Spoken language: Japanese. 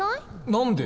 何で？